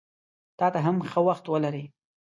تاته هم ښه وخت ولرې!